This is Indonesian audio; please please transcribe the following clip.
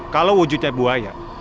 kalau wujudnya buaya